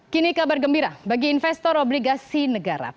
kini kabar gembira bagi investor obligasi negara